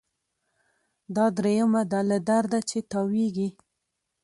دا دریمه ده له درده چي تاویږي